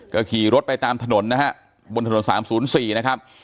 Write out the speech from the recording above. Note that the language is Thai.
ก็ขี่รถไปตามถนนนะฮะบนถนน๓๐๔นะครับ